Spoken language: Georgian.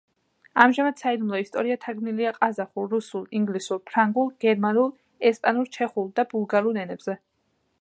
ამჟამად საიდუმლო ისტორია თარგმნილია ყაზახურ, რუსულ, ინგლისურ, ფრანგულ, გერმანულ, ესპანურ, ჩეხურ და ბულგარულ ენებზე.